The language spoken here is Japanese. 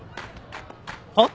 はっ？